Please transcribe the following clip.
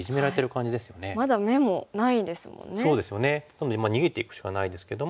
なので逃げていくしかないですけども。